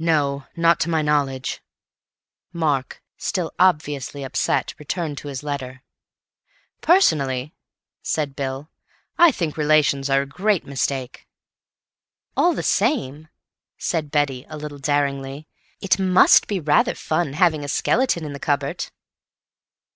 "No. Not to my knowledge." Mark, still obviously upset, returned to his letter. "Personally," said Bill, "I think relations are a great mistake." "All the same," said Betty a little daringly, "it must be rather fun having a skeleton in the cupboard."